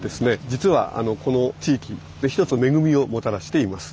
実はこの地域で一つの恵みをもたらしています。